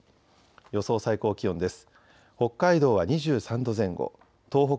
予想最高気温です。